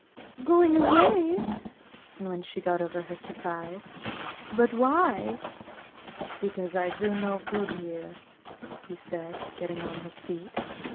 Going away I " And when she got over her surprise : "But why? "" Because I do no good here," he said, getting on his feet.